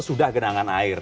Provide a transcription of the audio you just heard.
sudah genangan air